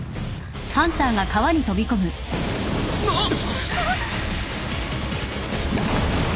あっ。